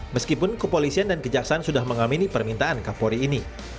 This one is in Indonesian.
meskipun kepolisian dan kejaksaan sudah mengamini permintaan kapolri ini